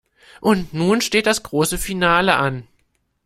Und nun steht das große Finale an.